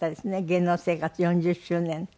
芸能生活４０周年。